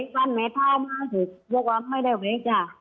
วันแม่ทาบมาวันไม่ได้ไว้จ้ะ